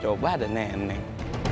coba ada neneng